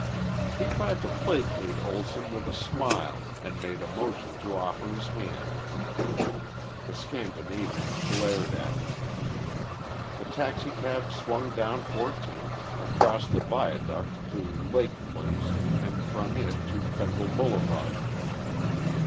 He tried to placate Olson with a smile and made a motion to offer his hand. The Scandinavian glared at him. The taxicab swung down Fourteenth, across the viaduct to Lake Place, and from it to Federal Boulevard.